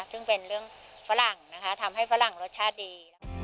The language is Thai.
ซึ่งเป็นเรื่องฝรั่งนะคะทำให้ฝรั่งรสชาติดี